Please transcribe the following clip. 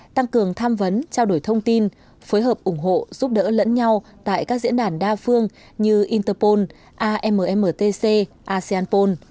tăng cường tham vấn trao đổi thông tin phối hợp ủng hộ giúp đỡ lẫn nhau tại các diễn đàn đa phương như interpol ammtc aseanpol